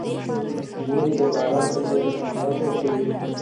ونې د باران په جذب کې مرسته کوي.